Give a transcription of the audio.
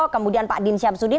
kemudian pak din syamsuddin